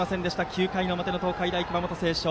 ９回の表、東海大熊本星翔。